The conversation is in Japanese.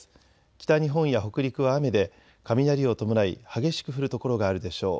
北日本や北陸は雨で雷を伴い激しく降る所があるでしょう。